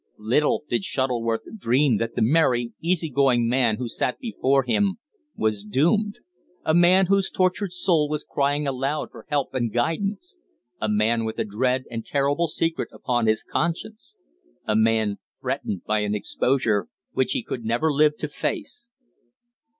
Little did Shuttleworth dream that the merry, easy going man who sat before him was doomed a man whose tortured soul was crying aloud for help and guidance; a man with a dread and terrible secret upon his conscience; a man threatened by an exposure which he could never live to face.